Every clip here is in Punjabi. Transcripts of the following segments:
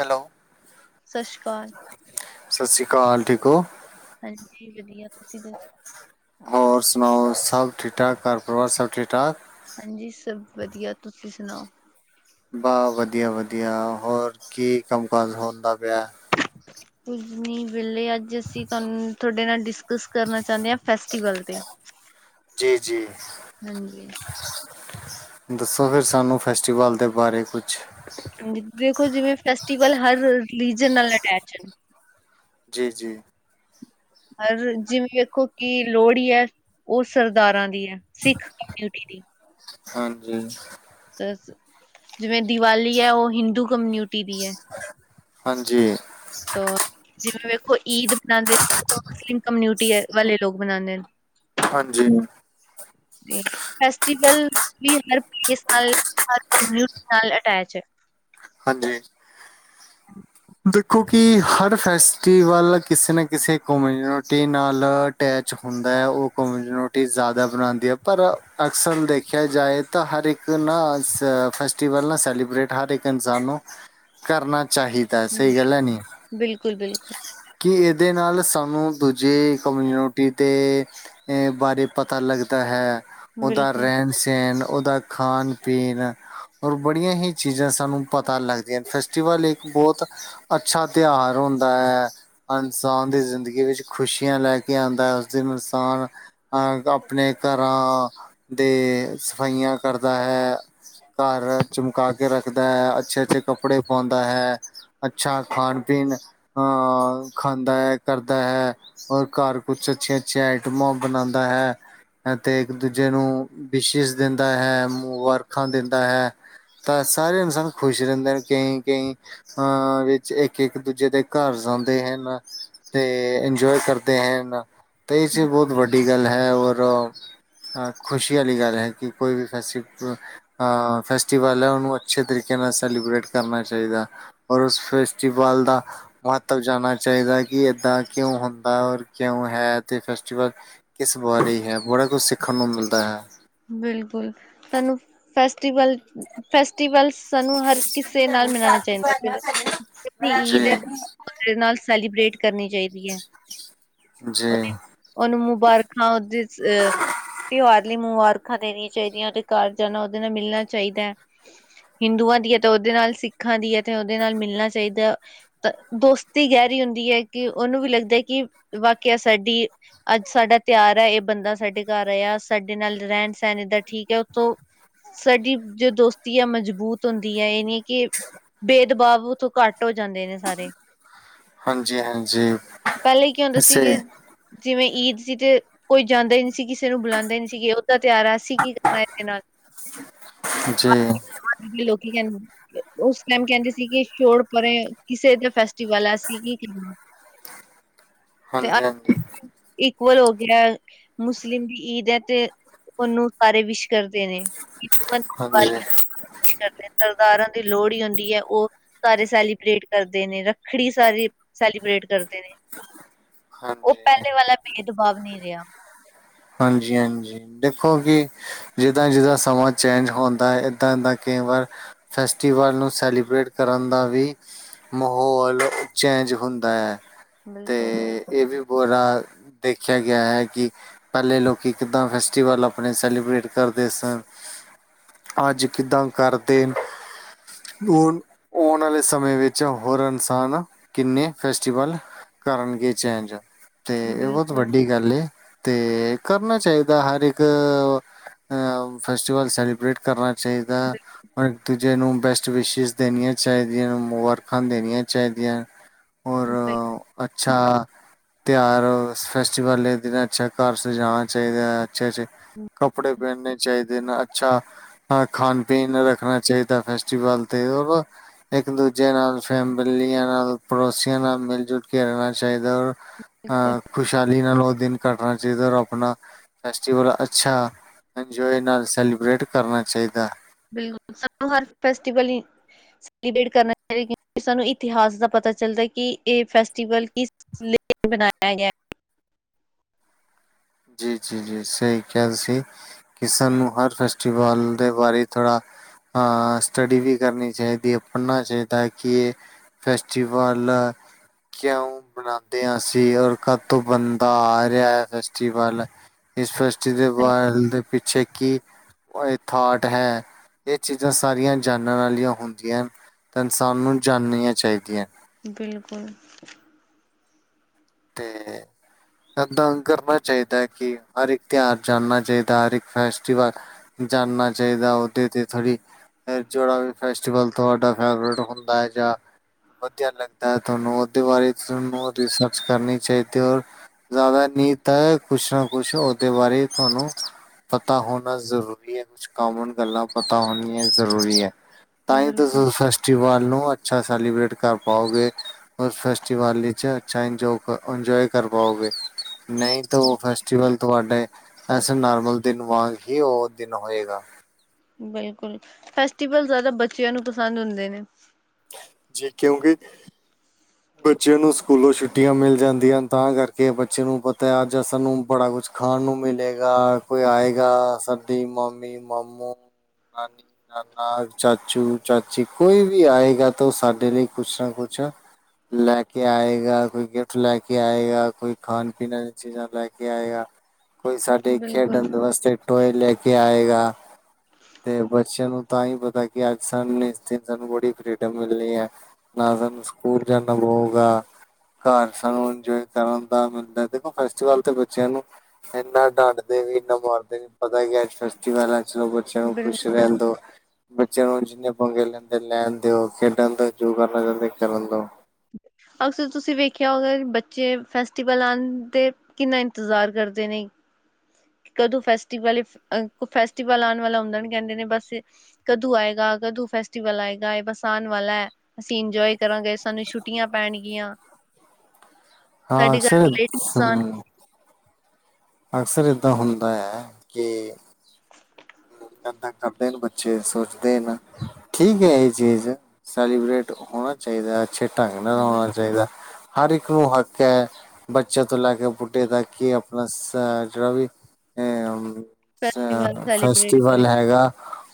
ਹੈਲੋ ਸਤਿ ਸ਼੍ਰੀ ਅਕਾਲ ਸਤਿ ਸ੍ਰੀ ਅਕਾਲ ਠੀਕ ਹੋ ਹਾਂਜੀ ਵਧੀਆ ਤੁਸੀਂ ਦੱਸੋ ਹੋਰ ਸੁਣਾਓ ਸਭ ਠੀਕ ਠਾਕ ਘਰ ਪਰਿਵਾਰ ਸਭ ਠੀਕ ਠਾਕ ਹਾਂਜੀ ਸਭ ਵਧੀਆ ਤੁਸੀਂ ਸੁਣਾਓ ਵਾਹ ਵਧੀਆ ਵਧੀਆ ਹੋਰ ਕੀ ਕੰਮ ਕਾਜ ਹੋਣ ਦਾ ਪਿਆ ਕੁਝ ਨੀ ਵੇਲੇ ਅੱਜ ਅਸੀਂ ਤੁਹਾਨੂੰ ਤੁਹਾਡੇ ਨਾਲ ਡਿਸਕਸ ਕਰਨਾ ਚਾਹੁੰਦੇ ਹ ਫੈਸਟੀਵਲ ਤੇ ਜੀ ਜੀ ਹਾਂਜੀ ਦੱਸੋ ਫਿਰ ਸਾਨੂੰ ਫੈਸਟੀਵਲ ਦੇ ਬਾਰੇ ਕੁਛ ਹਾਂ ਦੇਖੋ ਜਿਵੇਂ ਫੈਸਵਲ ਹਰ ਰਿਲੀ ਨਾਲ ਅਟੈਚੀ ਹੈ ਜੀ ਜੀ ਹਰ ਜਿਵੇਂ ਵੇਖੋ ਕਿ ਲੋਹੜੀ ਹੈ ਉਹ ਸਰਦਾਰਾਂ ਦੀ ਹੈ ਸਿੱਖ ਕਮਿਊਨਿਟੀ ਦੀ ਹਾਂਜੀ ਜਿਵੇਂ ਦੀਵਾਲੀ ਹੈ ਉਹ ਹਿੰਦੂ ਕਮਿਊਨਿਟੀ ਦੀ ਹੈ ਹਾਂਜੀ ਜਿਵੇਂ ਵੇਖੋ ਈਦ ਮਨਾਉਂਦੇ ਨੇ ਉਹ ਮੁਸਲਿਮ ਕਮਿਊਨਿਟੀ ਵਾਲੇ ਲੋਕ ਮਨਾਉਂਦੇ ਨੇ ਹਾਂਜੀ ਹਾਂ ਫਸਟੀਵਲ ਵੀ ਹ ਪਲੇ ਨਾਲ ਹ ਨਾਲ ਅਟੈਚੀ ਹੈ ਹਾਂਜੀ ਹਾਂ ਦੇਖੋ ਕਿ ਹਰ ਫੈਸਟੀਵਲ ਕਿਸੇ ਨਾ ਕਿਸੇ ਕਮਿਊਨਿਟੀ ਨਾਲ ਅਟੈਚ ਹੁੰਦਾ ਹੈ ਉਹ ਕਮਿਊਨਿਟੀ ਜ਼ਿਆਦਾ ਬਣਾਉਂਦੀ ਹੈ ਪਰ ਅਕਸਰ ਦੇਖਿਆ ਜਾਏ ਹਰ ਇੱਕ ਨਾ ਫੈਸਟੀਵਲ ਨਾ ਸੈਲੀਬ੍ਰੇਟ ਹਰ ਇੱਕ ਇਨਸਾਨ ਨੂੰ ਕਰਨਾ ਚਾਹੀਦਾ ਸਹੀ ਗੱਲ ਹੈ ਨੀ ਬਿਲਕੁਲ, ਬਿਲਕੁਲ, ਕਿ ਇਹਦੇ ਨਾਲ ਸਾਨੂੰ ਦੂਜੇ ਕਮਿਊਨਿਟੀ ਦੇ ਆ ਬਾਰੇ ਪਤਾ ਲੱਗਦਾ ਹੈ ਉਹਦਾ ਬਿਲਕੁਲ, ਰਹਿਣ ਸਹਿਣ ਓਦਾ ਖਾਣ ਪੀਣ ਔਰ ਬੜੀਆਂ ਹੀ ਚੀਜ਼ਾਂ ਸਾਨੂੰ ਪਤਾ ਲੱਗਦੀਆਂ ਫੈਸਟੀਵਲ ਇੱਕ ਬਹੁਤ ਅੱਛਾ ਤਿਉਹਾਰ ਹੁੰਦਾ ਹੈ ਇਨਸਾਨ ਦੀ ਜ਼ਿੰਦਗੀ ਵਿੱਚ ਖੁਸ਼ੀਆਂ ਲੈ ਕੇ ਆਉਂਦਾ ਹੈ ਉਸ ਦਿਨ ਇਨਸਾਨ ਆ ਆਪਣੇ ਘਰਾਂ ਦੇ ਸਫਾਈਆਂ ਕਰਦਾ ਹੈ ਘਰ ਚਮਕਾ ਕੇ ਰੱਖ ਦਾ ਹੈ ਅੱਛੇ ਅੱਛੇ ਕੱਪੜੇ ਪਾਉਂਦਾ ਹੈ ਅੱਛਾ ਖਾਣ ਪੀਣ ਹਾਂ ਖਾਂਦਾ ਹੈ ਕਰਦਾ ਹੈ ਔਰ ਘਰ ਕੁਛ ਅੱਛੀਆਂ-ਅੱਛੀਆਂ ਆਈਟਮਾਂ ਬਣਾਂਦਾ ਹੈ। ਤੇ ਇੱਕ ਦੂਜੇ ਨੂੰ ਵਿਸ਼ਸ਼ ਦਿੰਦਾ ਹੈ ਮੁਵਾਰਖਾਂ ਦਿੰਦਾ ਹੈ ਤਾਂ ਸਾਰੇ ਇਨਸਾਨ ਖੁਸ਼ ਰੈਂਦੇ ਨੇ ਕਈਂ-ਕਈਂ ਅ ਵਿੱਚ ਇੱਕ ਇੱਕ ਦੂਜੇ ਦੇ ਘਰ ਜਾਂਦੇ ਹਨ ਤੇ ਇੰਜੋਏ ਕਰਦੇ ਹਨ ਤੇ ਇਹ ਚ ਬੋਤ ਵੱਡੀ ਗੱਲ ਹੈ ਔਰ ਅ ਖੁਸ਼ੀ ਵਾਲੀ ਗੱਲ ਹੈ ਕਿ ਕੋਈ ਵੀ ਫੈਸ ਫੈਸਟੀਵਲ ਹੈ ਉਹਨੂੰ ਅੱਛੇ ਤਰੀਕੇ ਨਾਲ ਸੈਲੀਬ੍ਰੇਟ ਕਰਨਾ ਚਾਹੀਦਾ ਔਰ ਉਸ ਫੈਸਟੀਵਲ ਦਾ ਮਹੱਤਵ ਜਾਨਣਾ ਚਾਹੀਦਾ ਕਿ ਏਦਾਂ ਕਿਉਂ ਹੁੰਦਾ ਰ ਕਿਉਂ ਹੈ ਫੈਸਟੀਵਲ ਕਿਸ ਬਾਰੇ ਹੈ ਬੜਾ ਕੁਝ ਸਿੱਖਣ ਨੂੰ ਮਿਲਦਾ ਹੈ ਬਿਲਕੁਲ ਤੁਾਨੂੰ ਫੈਸਟੀਵਲ ਫੈਸਟੀਵਲਸ ਸਾਨੂੰ ਹਰ ਕਿਸੇ ਨਾਲ ਮਨਾਣਾ ਚਾਹੀਦਾ ਫੇਰ ਕਿਸੀ ਦੀ ਈਦ ਜੀ ਹੈ ਓਹ ਬੰਦੇ ਦੇ ਨਾਲ ਸੈਲੀਬ੍ਰੇਟ ਕਰਨੀ ਚਾਹੀਦੀ ਹੈ। ਜੀ। ਉਹਦੇ- ਉਹਨੂੰ ਮੁਬਾਰਕਾਂ [unintelligible] ਤਿਉਹਾਰ ਲਈ ਮੁਬਾਰਕਾਂ ਦੇਣੀਆਂ ਚਾਹੀਦੀਆਂ ਤੇ ਘਰ ਜਾਣਾ ਉਹਦੇ ਨਾਲ ਮਿਲਣਾ ਚਾਹੀਦਾ ਹੈ। ਹਿੰਦੂਆਂ ਦੀ ਏ ਤੇ ਉਹਦੇ ਨਾਲ ਸਿੱਖਾਂ ਦੀ ਏ ਤੇ ਉਹਦੇ ਨਾਲ ਮਿਲਣਾ ਚਾਹੀਦਾ। ਤਾਂ ਦੋਸਤੀ ਗਹਿਰੀ ਹੁੰਦੀ ਹੈ ਕਿ ਉਹਨੂੰ ਵੀ ਲੱਗਦਾ ਕਿ ਵਾਕਿਆ ਸਾਡੀ ਅੱਜ ਸਾਡਾ ਤਿਆਰ ਹੈ ਇਹ ਬੰਦਾ ਸਾਡੇ ਘਰ ਆਇਆ ਸਾਡੇ ਨਾਲ ਰਹਿਣ ਸਹਿਣ ਏਦਾਂ ਠੀਕ ਹੈ ਉਥੋਂ ਸਾਡੀ ਜੋ ਦੋਸਤੀ ਆ ਮਜ਼ਬੂਤ ਹੁੰਦੀ ਹੈ ਇਹ ਨੀ ਕਿ ਭੇਦਭਾਵ ਉਥੋਂ ਘੱਟ ਹੋ ਜਾਂਦੇ ਨੇ ਸਾਰੇ ਹਾਂਜੀ ਹਾਂਜੀ ਪਹਿਲੇ ਕੀ ਹੁੰਦਾ ਸੀ ਸੇ ਕਿ ਜਿਵੇਂ ਈਦ ਸੀ ਤੇ ਕੋਈ ਜਾਂਦਾ ਈ ਨਹੀਂ ਸੀ ਕਿਸੇ ਨੂੰ ਬੁਲਾਂਦਾ ਨੀ ਸੀ ਗੇ ਓਹ ਜੀ [unintelligible] ਉਸ ਟੈਮ ਕਹਿੰਦੇ ਸੀ ਕਿ ਛੋੜ ਪਰੇ ਕਿਸੇ ਦਾ ਫੈਸਟੀਵਲ ਹੈ ਅਸੀ ਕੀ ਕਰਨਾ? ਹਾਂਜੀ-ਹਾਂਜੀ। ਇਕਵਲ ਹੋ ਗਿਆ ਮੁਸਲਿਮ ਈਦ ਹੈ ਤੇ ਉਵਾਨੂੰ ਸਾਰੇ ਵਿਸ਼ ਕਰਦੇ ਨੇ [unintelligible] ਕੀ ਹਾਂਜੀ ਕਰਦੇ ਸਰਦਾਰਾ ਦੀ ਲੋਹੜੀ ਹੁੰਦੀ ਹੈ ਉਹ ਸਾਰੇ ਸੈਲੀਬ੍ਰੇਟ ਕਰਦੇ ਨੇ ਰੱਖੜੀ ਸਾਰੇ ਸੈਲੀਬ੍ਰੇਟ ਕਰਦੇ ਨੇ। ਉਹ ਹਾਂਜੀ, ਪਹਿਲੇ ਵਾਲਾ ਭੇਦਭਾਵ ਨਹੀਂ ਰਿਹਾ ਹਾਂਜੀ-ਹਾਂਜੀ। ਦੇਖੋ ਕਿ ਜਿੱਦਾਂ-ਜਿੱਦਾਂ ਸਮਾਂ ਚੇਂਜ ਹੁੰਦਾ ਹੈ ਏਦਾਂ-ਏਦਾਂ ਕਈ ਵਾਰ ਫੈਸਟੀਵਲ ਨੂੰ ਸੈਲੀਬ੍ਰੇਟ ਕਰਨ ਦਾ ਵੀ ਮਾਹੌਲ, ਓਹ ਚੇਂਜ ਹੁੰਦਾ ਹੈ। ਤੇ ਬਿਲਕੁਲ। ਇਹ ਵੀ ਬੁਰਾ ਦੇਖਿਆ ਗਿਆ ਹੈ ਕਿ ਪਹਲੇ ਲੋਕੀ ਕਿੱਦਾਂ ਫੈਸਟਟੀਵਲ ਆਪਣੇ ਸੈਲੀਬ੍ਰੇਟ ਕਰਦੇ ਸਨ ਅੱਜ ਕਿੱਦਾਂ ਕਰਦੇਨ [unintelligible] ਆਉਣ ਵਾਲੇ ਸਮੇਂ ਵਿੱਚ ਹੋਰ ਇਨਸਾਨ ਕਿੰਨੇ ਫੈਸਟੀਵਲ ਕਰਨ ਗੇ ਚੇਂਜ ਤੇ ਇਹ ਬਹੁਤ ਬਿਲਕੁਲ ਵੱਡੀ ਗੱਲ ਏ। ਤੇ ਕਰਨਾ ਚਾਹੀਦਾ ਹਰ ਇੱਕ ਫੈਸਟਟੀਵਲ ਸੈਲੀਬ੍ਰੇਟ ਕਰਨਾ [unintelligible] ਜਿਹਨੂੰ ਬੈਸਟ ਵਿਸ਼ੀਸ ਦੇਣੀਆਂ ਚਾਹੀਦੀਆਂ ਮੁਬਾਰਖਾਂ ਦੇਣੀਆਂ ਚਾਹੀਦੀਆਂ ਔਰ ਬ [inaudible] ਅੱਛਾ ਤਿਉਹਾਰ ਹੋਵੇ ਫੈਸਟਟੀਵਲ ਏ [unintelligible] ਅੱਛਾ ਘਰ ਸਜਾਣਾ ਚਾਹੀਦਾ। ਛੇ-ਛੇ ਕੱਪੜੇ ਪੈਨਨੇ ਚਾਈ ਤੇ ਨਾ ਅੱਛਾ ਖਾਣ ਪੀਣ ਰੱਖਣਾ ਚਾਹੀਦਾ ਫੈਸਟੀਵਲ ਤੇ ਹੋਰ ਇੱਕ ਦੂਜੇ ਨਾਲ, ਫੈਮਿਲੀਆਂ ਨਾਲ, ਪੜੋਸੀਆਂ ਨਾਲ ਮਿਲ-ਜੁਲ ਕੇ ਰੈਨਾ ਚਾਈ ਬਿਲਕੁਲ ਅ ਖੁਸ਼ਆਲੀ ਨਾਲ ਓ ਦਿਨ ਕਟਨਾ ਚਾਈਦਾ ਓਰ ਅਪਣਾ ਫੈਸਟੀਵਲ ਅੱਛਾ, ਇੰਜੋਏ ਨਾਲ ਸੈਲੀਬ੍ਰੇਟ ਕਰਨਾ ਚਾਹੀਦਾ ਬਿਲਕੁਲ ਸਾਨ ਹਰ ਫੈਸਟੀਵਲ ਹੀ। ਕਰਨਾਕਿ ਸਾਨੂੰ ਇਤਿਹਾਸ ਦਾ ਪਤਾ ਚੱਲਦਾ ਕਿ ਇਹ ਫੈਸਟੀਵਲ ਲ ਬਣਾਇਆ ਗਿਆ। ਜੀ ਜੀ ਜੀ ਸਹੀ ਕ ਸੀ। ਕਿ ਸਾਨੂੰ ਹਰ ਫੈਸਟੀਵਲ ਦੇ ਬਾਰੇ ਥੋੜ੍ਹਾ ਹਾਂ ਸਟੱਡੀ ਵੀ ਕਰਨੀ ਚਾਹੀਦੀ ਹੈ ਪੜ੍ਹਨਾ ਚਾਹੀਦਾ ਕਿ ਇਹ ਫੈਸਟੀਵਲ। ਕਿਉਂ ਬਣਾਉਦੇ ਹ ਸੀ ਔਰ ਕਦ ਤੋਂ ਬੰਦਾ ਆ ਰਿਹਾ। ਇਸ ਫੈਸਟੀਿਵਾਲ ਦੇ ਪਿੱਛੇ ਕੀ ਇਹ ਥਾਟ ਹੈ ਇਹ ਚੀਜ਼ਾਂ ਸਾਰੀਆਂ ਜਾਨਾਂ ਵਾਲੀਆਂ ਹੁੰਦੀਆਂ ਹਨ। ਤਾਂ ਇਨਸਾਨ ਨੂੰ ਜਾਣਨੀਆਂ ਚਾਹੀਦੀਆਂ। ਬਿਲਕੁਲ। [inaudible] ਦੰਗ ਕਰਨਾ ਚਾਹੀਦਾ ਹੈ ਕਿ ਹਰ ਇੱਕ ਤਿਉਹਾਰ ਜਾਣਨਾ ਚਾਹੀਦਾ ਹਰ ਇੱਕ ਫੈਸਟੀਵਲ ਜਾਣਨਾ ਚਾਹੀਦਾ ਉਹਦੇ ਤੇ ਥੋੜ੍ਹੀ ਫਿਰ ਜਿਹੜਾ ਵੀ ਫੈਸਟੀਵਲ ਤੁਹਾਡਾ ਫੇਵਰੇਟ ਹੁੰਦਾ ਹੈ ਜਾਂ ਵਧੀਆ ਲੱਗਦਾ ਹੈ ਤੁਹਾਨੂੰ ਉਹਦੇ ਬਾਰੇ ਤੁਾਨੂੰ ਰਿਸਰਚ ਕਰਨੀ ਚਾਹੀਦੀ ਰ। ਜ਼ਿਆਦਾ ਨੀਤ ਕੁਛ ਨਾ ਕੁਛ ਉਹਦੇ ਬਾਰੇ ਤੁਹਾਨੂੰ। ਪਤਾ ਹੋਣਾ ਜ਼ਰੂਰੀ ਹੈ ਕੁਛ ਕਾਮਨ ਗੱਲਾਂ ਪਤਾ ਹੋਣੀਆਂ ਜ਼ਰੂਰੀ ਹੈ। ਤਾਂਹੀ ਤਾਂ ਬਿਲਕੁਲ ਫੈਸਟ ਫੈਸਟੀਵਲ ਨੂੰ ਅੱਛਾ ਸੈਲੀਬ੍ਰਟ ਕਰ ਪਾਓਗੇ ਉਸ ਫੈਸਟੀਵਲ ਵਿੱਚ। ਅੱਛਾ ਇੰਜੋ ਇੰਜੋਏ ਕਰ ਪਾਓਗੇ ਨਹੀਂ ਤਾਂ ਉਹ ਫੈਸਟੀਵਲ ਤੁਹਾਡੇ ਐਸੇ ਨੋਰਮਲ ਦਿਨ ਵਾਂਗ ਹੀ ਉਹ ਦਿਨ ਹੋਏਗਾ। ਬਿਲਕੁਲ ਫੈਸਟੀਵਲ ਜ਼ਿਆਦਾ ਬੱਚਿਆਂ ਨੂੰ ਪਸੰਦ ਹੁੰਦੇ ਨੇ। ਜੀ ਕਿਉਂਕਿ ਬੱਚਿਆਂ ਨੂੰ ਸਕੂਲੋਂ ਛੁੱਟੀਆਂ ਮਿਲ ਜਾਂਦੀਆਂ ਹਨ ਤਾਂ ਕਰਕੇ ਬੱਚੇ ਨੂੰ ਪਤਾ ਹੈ ਅੱਜ ਸਾਨੂੰ ਬੜਾ ਕੁਛ ਖਾਣ ਨੂੰ ਮਿਲੇਗਾ ਕੋਈ ਆਏਗਾ ਸਰਦੀ ਮਾਮੀ ਮਾਮੂ ਨਾਨੀ ਨਾਨਾ ਚਾਚੂ ਚਾਚੀ ਕੋਈ ਵੀ ਆਏਗਾ ਤਾਂ ਸਾਡੇ ਲਈ ਕੁਛ ਨਾ ਕੁਛ ਲੈ ਕੇ ਆਏਗਾ ਕੋਈ ਗਿਫਟ ਲੈ ਕੇ ਆਏਗਾ ਕੋਈ ਖਾਣ ਪੀਣ ਦੀ ਚੀਜ਼ਾਂ ਲੈ ਕੇ ਆਏਗਾ। ਕੋਈ ਸਾਡੇ ਖੇਡਾਂ ਬਿਲਕੁਲ ਦੇ ਵਾਸਤੇ ਟੋਏ ਲੈ ਕੇ ਆਏਗਾ। ਤੇ ਬੱਚਿਆਂ ਨੂੰ ਤਾਂ ਹੀ ਪਤਾ ਕੀ ਅੱਜ ਸਾਨ ਇਸ ਦਿਨ ਸਾਨੂੰ ਬੜੀ ਫ੍ਰੀਡਮ ਮਿਲਣੀ ਹੈ। ਨਾਨੂੰ ਸਕ ਸਕੂਲ ਜਾਨਾ ਹੋਗਾ। ਘਰ ਸਾਨੂੰ ਇੰਜੋਏ ਕਰਨ ਦਾ ਮਿਲਦਾ ਦੇਖੋ ਫੈਸਟੀਵਲ ਤੇ ਬੱਚਿਆਂ ਨੂੰ ਇੰਨਾ ਡੰਡਦੇ ਵੀ ਇੰਨਾ ਮਾਰਦੇ ਵੀ ਪਤਾ ਕੀ ਫੈਸਟੀਵਲ ੱਚੋਂ ਬੱਚਿਆਂ ਨੂੰ ਖੁਸ਼ ਬਿਲਕੁਲ ਰਹਿੰਦਾ। ਬੱਚਿਆਂ ਨੂੰ ਜਿੰਨੇ ਬਗੇ ਲੈਂਦੇ ਲੈਣ ਦਿਓ ਖੇਡਣ ਤੋਂ ਜੋ ਕਰਨਾ ਚਾਹੁੰਦੇ ਕਰਨ ਦਿ ਅਕਸਰ ਤੁਸੀਂ ਵੇਖਿਆ ਅ ਬੱਚੇ ਫੈਸਟੀਵਲ ਆ ਦੇ ਕਿੰਨਾ ਇੰਤਜ਼ਾਰ ਕਰਦੇ ਨੇ। ਕਦੋਂ ਫੈਸਟੀਵਲ ਅ ਫੈਸਟੀਵਲ ਆਉਣ ਵਾਲਾ ਹੁੰਦਾ ਨ ਕਹਿੰਦੇ ਨੇ ਬਸ ਕਦੋਂ ਆਏਗਾ ਕਦੋਂ ਫੈਸਟੀਵਲ ਆਏਗਾ ਇਹ ਬਸਾਣ ਵਾਲਾ ਹੈ। ਅਸੀਂ ਇੰਜੋਏ ਕਰਾਂਗੇ ਸਾਨੂੰ ਛੁੱਟੀਆਂ ਪੈਣਗੀਆਂ। ਹਾਂ ਸਾਡਡੀ ਅਕਸਰ ਗਰੇ ਨੁਕਸਾਨ ਹਮ ਅਕਸਰ ਇਏਦਾਂ ਹੁੰਦਾ ਹੈ ਕਿ ਇਨਾ ਤੰਗ, ਕਰਦੇ ਨੇ ਬੱਚੇ ਸੋਚਦੇ ਨਾ। ਠੀਕ ਹੈ ਇਹ ਚੀਜ਼। ਸੈਲੀਬ੍ਰਟ ਹੋਣਾ ਚਾਹੀਦਾ। ਅੱਛੇ ਢੰਗ ਨਾਲ, ਹੋਣਾ ਚਾਹੀਦਾ। ਹਰ ਇੱਕ ਨੂੰ ਹੱਕ ਹੈ। ਬੱਚਿਆਂ ਤੋਂ ਲੈ ਕੇ, ਬੁੱਢੇ ਦਾ ਕਿ, ਆਪਣਾ ਅ ਜਿਹੜਾ ਵੀ, ਅਹ ਅਛਾ, ਫੈਸਟੀਵਲ ਸੈਲੀਬ੍ਰੇਟ ਕਰੇ ਫੈਸਟੀਵਲ ਹੈਗਾ।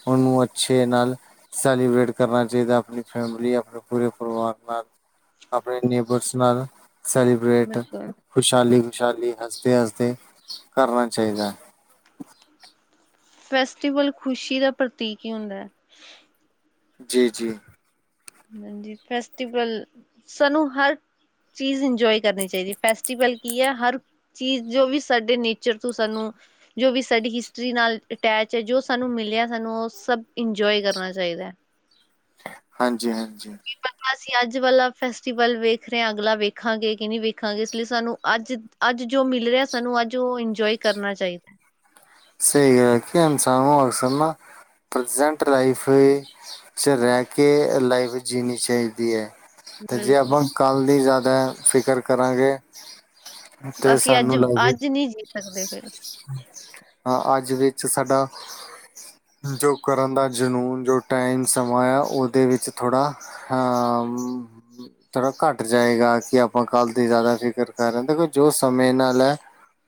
ਉਹਨੂੰ ਅੱਛੇ ਨਾਲ ਸੈਲੀਬ੍ਰੇਟ ਕਰਨਾ ਚਾਹੀਦਾ। ਆਪਣੀ ਫੈਮਲੀ, ਆਪਣੇ ਪੂਰੇ ਪਰਿਵਾਰ ਨਾਲ। ਆਪਣੇ ਨੇਬਰਸ ਨਾਲ ਸੈਲੀ ਬਰੇਟ, ਬਿਲਕੁਲ ਖੁਸ਼ਹਾਲੀ- ਖੁਸ਼ਹਾਲੀ, ਹਸਦੇ- ਹਸਦੇ, ਕਰਨਾ ਚਾਹੀਦਾ ਹੈ। ਫੈਸਟੀਵਲ ਖ਼ੁਸ਼ੀ, ਦਾ ਪ੍ਰਤੀਕ ਹੀ ਹੁੰਦਾ ਹੈ। ਜੀ- ਜੀ। ਹਾਂਜੀ। ਫੈਸਟੀਵਲ ਸਾਨੂੰ, ਹਰ ਚੀਜ਼ ਇੰਜੋਏ, ਕਰਨੀ ਚਾਹੀਦੀ ਹੈ। ਫੈਸਟੀਵਲ ਕੀ ਹੈ, ਹਰ ਚੀਜ਼, ਜੋ ਵੀ ਸਾਡੇ ਨੇਚਰ ਤੋਂ। ਸਾਨੂੰ ਜੋ ਵੀ, ਸਾਡੀ ਹਿਸਟਰੀ ਨਾਲ ਅਟੈਚ ਹੈ। ਜੋ ਸਾਨੂੰ ਮਿਲਿਆ, ਸਾਨੂੰ ਉਹ ਸਭ, ਇੰਜੋਏ ਕਰਨਾ ਚਾਹੀਦਾ। ਹਾਂਜੀ-ਹਾਂਜੀ। ਕੀ ਪਤਾ, ਅਸੀਂ ਅੱਜ ਵਾਲਾ ਫੈਸਟੀਵਲ, ਵੇਖ ਰਹੇ ਹਾਂ। ਅਗਲਾ ਵੇਖਾਂਗੇ ਕਿ, ਨਹੀਂ ਵੇਖਾਂਗੇ, ਇਸ ਲਈ ਸਾਨੂੰ, ਅੱਜ ਅੱਜ ਜੋ ਮਿਲ ਰਿਹਾ। ਸਾਨੂੰ ਅੱਜ ਉਹ, ਇੰਜੋਏ ਕਰਨਾ ਚਾਹੀਦਾ। ਸਹੀ ਗਲ ਆ। ਇਨਸਾਨ ਨੂੰ, ਅਕਸਰ ਨਾ ਪ੍ਰਜੈਂਟ ਲਾਈਫ ਵੀਚ ਰਹਿ ਕੇ, ਲਾਈਵ ਜੀਣੀ ਚਾਹੀਦੀ ਹੈ। ਤੇ ਜੇ ਬਿਲਕੁਲ ਆਪਾਂ, ਕੱਲ ਦੀ ਜ਼ਿਆਦਾ ਫਿਕਰ ਕਰਾਂਗੇ। ਤੇ ਅਸੀਂ ਅੱਜ ਸਾਨੂੰ ਲੱਗ ਅੱਜ ਨਹੀਂ ਜੀ ਸਕਦੇ ਫ ਹਮ। [inaudible] ਹਾ, ਅੱਜ ਵਿੱਚ ਸਾਡਾ ਜੋ ਕਰਨ ਦਾ ਜਨੂੰਨ, ਜੋ ਟਾਈਮ ਸਮਾਂ ਆ। ਉਹਦੇ ਵਿੱਚ ਥੋੜਾ ਹਾਂ। ਥੋੜਾ ਘੱਟ ਜਾਏਗਾ। ਕਿ ਆਪਾਂ ਕੱਲ ਦੀ ਜ਼ਿਆਦਾ, ਫਿਕਰ ਕਰਾ ਹੇਾਂ। ਦੇਖੋ ਜੋ ਸਮੇ ਨਾਲ ਹੈ।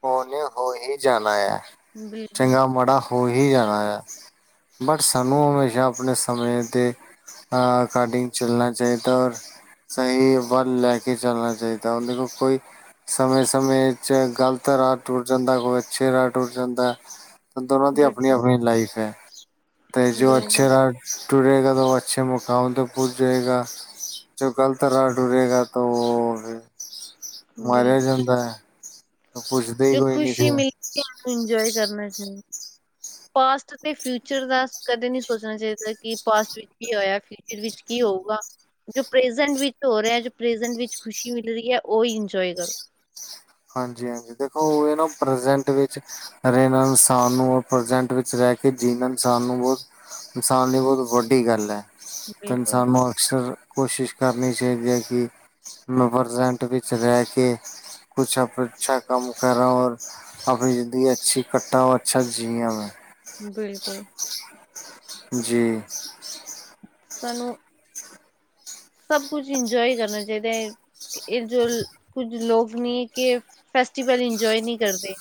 ਓ ਨੇ, ਹੋ ਹੀ, ਜਾਣਾ ਆ। ਬਿਲਕੁਲ, ਚੰਗਾ ਮਾੜਾ ਹੋ ਹੀ, ਜਾਣਾ ਆ। ਬਟ ਸਾਨੂੰ ਹਮੇਸ਼ਾ, ਆਪਣੇ ਸਮੇਂ ਦੇ ਅਕਾਰਡਿੰਗ ਚੱਲਣਾ ਚਾਹੀਦਾ। ਔਰ ਸਹੀ ਵੱਲ, ਲੈ ਕੇ ਚੱਲਣਾ ਚਾਹੀਦਾ। ਉਹਦੇ ਕੋਲ ਕੋਈ ਸਮੇ- ਸਮੇਂ ਚ, ਗ਼ਲਤ ਰਾਹ ਟੁੱਰ ਜਾਂਦਾ ਕੋਈ, ਅੱਛੇ ਰਾਹ ਟੁੱ ਜਾਂਦਾ। ਦੋਨਾਂ ਦੀ ਆਪਣੀ- ਬਿਲਕੁਲ, ਆਪਣੀ, ਲਾਈਫ ਹੈ। ਤੇ ਜੋ ਬਿਲਕੁਲ, ਅੱਛੇ ਰ ਟੁਰੇਗਾ, ਤਾਂ ਉਹ ਅੱਛੇ ਮੁਕਾਮ ਤੇ ਪਹੁੰਚੇਗਾ। ਜੋ ਗੱਲਤ ਰਹਾ ਟੁਰੇਗਾ। ਤੇ ਉਹ ਬਿਲਕੁਲ ਮਾਰਿਆ ਜਾਂਦਾ ਹੈ। ਪੁੱਛਦੇ ਹੀ ਜੋ ਕੋਈ ਨੀ ਖ਼ੁਸ਼ੀ ਫਿਰ ਮਿਲ ਕੇ, ਇੰਜੋਏ ਕਰਨਾ ਚਾਹੀਦਾ। ਪਾਸਟ ਤੇ ਫਿਊਚਰ ਦਾ, ਕਦੇ ਨਹੀਂ ਸੋਚਣਾ ਚਾਹੀਦਾ। ਕਿ ਪਾਸਟ ਵਿੱਚ ਕੀ ਹੋਇਆ। ਫਿਊਚਰ, ਵਿੱਚ ਕੀ ਹੋਊਗਾ। ਜੋ ਪ੍ਰੇਜੈਂਟ ਵਿੱਚ, ਹੋ ਰਿਹਾ। ਜੋ ਪ੍ਰੇਜੈਂਟ ਵਿੱਚ ਖੁਸ਼ੀ ਮਿਲ ਰਹੀ ਹੈ। ਉਹ ਹੀ ਇੰਜੋਏ ਕਰੋ। ਹਾਂਜੀ- ਹਾਂਜੀ। ਦੇਖੋ ਉਹ ਇਹ ਨਾ ਪ੍ਰਜੈਂਟ ਵਿੱਚ ਰੇ ਇਨਸਾਨ ਨੂੰ, ਪ੍ਰਜਟ ਵਿੱਚ ਰਹਿ ਕੇ। ਜੀਨ ਇਨਸਾਨ ਨੂੰ ਬ ਇਨਸਾਨ ਦੀ, ਬਹੁਤ ਵੱਡੀ ਗੱਲ ਹੈ। ਤੇ ਬਿਲਕੁਲ, ਇਨਸਾਨ ਅਕਸਰ ਕੋਸ਼ਿਸ਼, ਕਰਨੀ ਚਾਹੀਦੀ ਹੈ। ਕਿ ਮ ਪ੍ਰਜੈਂਟ ਵਿੱਚ ਰਹਿ ਕੇ ਕੁਛ ਅੇ ਅੱਛਾ ਕੰਮ ਕਰਾ। ਔਰ ਅ ਆਪਣੀ ਜ਼ਿੰਦਗੀ ਅੱਛੀ ਕੱਟਾ। ਹੋ ਅੱਛਾ ਜਿਆ ਮੈਂ ਬਿਲਕੁਲ। ਜੀ। ਸਾਨੂੰ, ਸਭ ਕੁਛ ਇੰਜੋਏ ਕਰਨਾ ਚਾਹੀਦਾ। ਇਹ ਜੋ, ਕੁੱਝ ਲੋਕ ਨੀ, ਕਿ ਫੈਸਟੀਵਲ ਇੰਜੋਏ ਨਹੀਂ ਕਰਦੇ।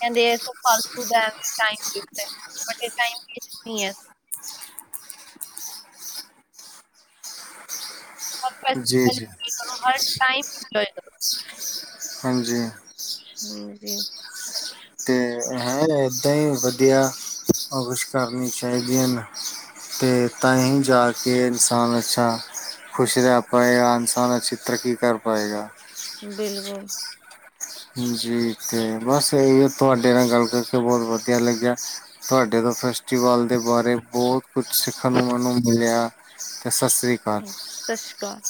ਕਹਿੰਦੇ ਫਾਲਤੂ ਟਾਈਮ ਵੇਸਟ ਹੈ। ਬਟ ਇਹ ਟਾਈਮ ਵੇਸਟ ਨਹੀਂ ਹੈ। ਹਰ ਜੀ- ਫੈਸਟੀਵਲ ਜੀ, ਇੰਜੋਏ ਕਰੋ, ਹਰ ਟਾਈਮ ਇੰਜੋਏ ਕਰੋ। ਹਾਂਜੀ। ਹਾਂ ਜੀ। ਤੇ ਹੈ ਏਦਾਂ ਹੀ ਵਧੀਆ ਕੁਛ ਕਰਨੀ ਚਾਹੀਦੀਆਂ ਨੇ। ਅਤੇ ਤਾ ਹੀ ਜਾ ਕੇ ਇਨਸਾਨ ਅੱਛਾ ਖੁਸ਼ ਰਹਿ ਪਾਏਗਾ ਇਨਸਾਨ ਅੱਛੀ ਤਰੱਕੀ ਕਰ ਪਾਏਗਾ। ਬਿਲਕੁਲ ਜੀ ਤੇ ਬਸ ਇਹ ਤੁਹਾਡੇ ਨਾਲ ਗੱਲ ਕਰਕੇ ਬਹੁਤ ਵਧੀਆ ਲੱਗਿਆ। ਤੁਹਾਡੇ ਤੋਂ ਫਸਟ ਵ ਦੇ ਬਾਰੇ ਬਹੁਤ ਕੁਛ ਸਿੱਖਣ ਨੂੰ ਮੈਨੂੰ ਮਿਲਿਆ ਤੇ ਸਤਿ ਸ੍ਰੀ ਅਕਾਲ ਸਤਿ ਸ਼੍ਰੀ ਅਕਾਲ।